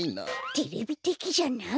テレビてきじゃない？